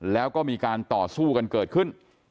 แล้วก็มีการต่อสู้กันเกิดขึ้น